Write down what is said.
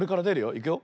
いくよ。